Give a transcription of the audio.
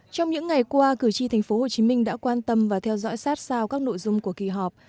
trong những ngày qua cử tri tp hcm đã quan tâm và theo dõi sát sao các nội dung của kỳ họp